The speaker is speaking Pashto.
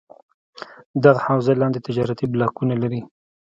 دغه حوزه لاندې تجارتي بلاکونه لري: